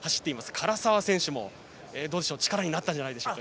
唐澤選手も力になったんじゃないでしょうか。